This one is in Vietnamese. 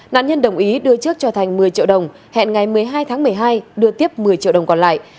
nạn nhân đồng ý đưa trước cho thành một mươi triệu đồng hẹn ngày một mươi hai tháng một mươi hai đưa tiếp một mươi triệu đồng còn lại